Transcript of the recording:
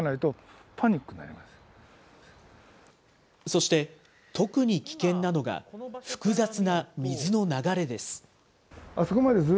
そして特に危険なのが複雑な水の流れです。